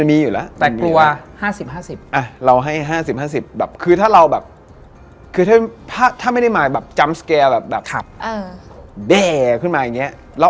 อีก๖๐คือไม่เชื่อ